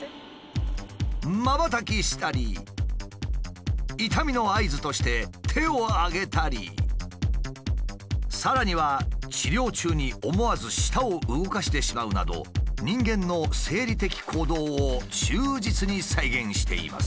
瞬きしたり痛みの合図として手をあげたりさらには治療中に思わず舌を動かしてしまうなど人間の生理的行動を忠実に再現しています。